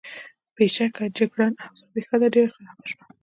بېشکه، جګړن: اوضاع بېحده ډېره خرابه شوه.